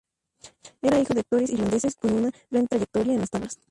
Era hijo de actores irlandeses con una gran trayectoria en las tablas.